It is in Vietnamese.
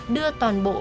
đưa toàn bộ